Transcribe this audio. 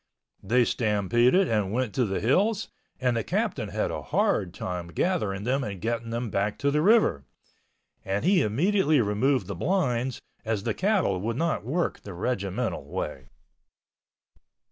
They stampeded and went to the hills and the captain had a hard time gathering them and getting them back to the river, and he immediately removed the blinds, as the cattle would not work the regimental way.